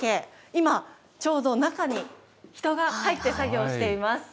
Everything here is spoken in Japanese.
今、ちょうど中に人が入って作業しています。